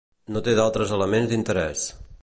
No té d'altres elements d'interès.